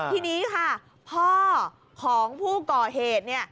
ทีนี้ค่ะพ่อของผู้ก่อเหตุ